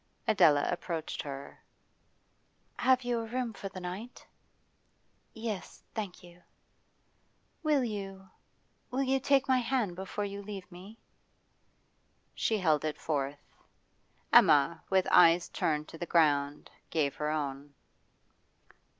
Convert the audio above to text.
Adela approached her. 'Have you a room for the night?' 'Yes, thank you.' 'Will you will you take my hand before you leave me?' She held it forth; Emma, with eyes turned to the ground, gave her own.